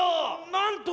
なんと。